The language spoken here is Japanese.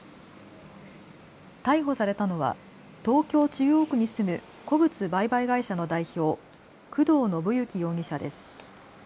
逮捕されたのは東京中央区に住む古物売買会社の代表、工藤伸之容疑者です。